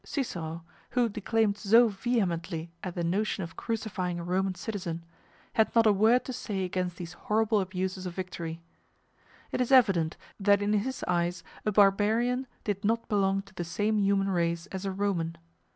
Cicero, who declaimed so vehemently at the notion of crucifying a Roman citizen, had not a word to say against these horrible abuses of victory. It is evident that in his eyes a barbarian did not belong to the same human race as a Roman.